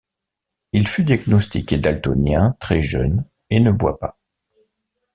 Il fut diagnostiqué daltonien très jeune et ne boit pas.